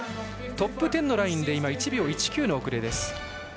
トップ１０のラインで１秒１９の遅れです。